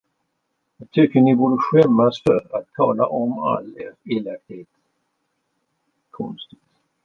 Jag tycker ni borde skämmas för att tala om all er elakhet.